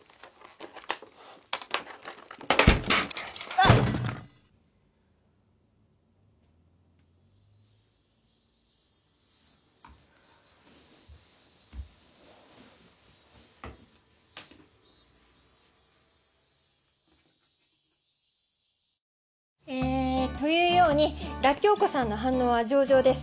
あっ！えというようにらっきょう子さんの反応は上々です。